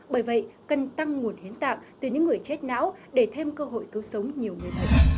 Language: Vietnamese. bởi vậy cần tăng nguồn hiến tạng từ những người chết não để thêm cơ hội cứu sống nhiều người